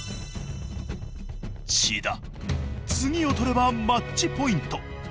千田次を取ればマッチポイント。